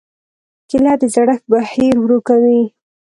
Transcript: کېله د زړښت بهیر ورو کوي.